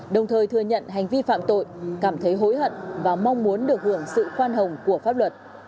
đồng thời thừa nhận hành vi phạm tội cảm thấy hối hận và mong muốn được hưởng sự khoan hồng của pháp luật